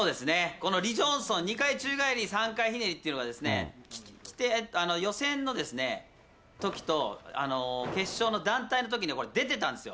このリ・ジョンソン、２回宙返り３回ひねりというのが、予選のときと決勝の団体のときにこれ、出てたんですよ。